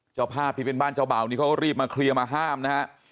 เจ้าภาพที่เป็นบ้านเจ้าบ่าวนี้เขาก็รีบมาเคลียร์มาห้ามนะฮะ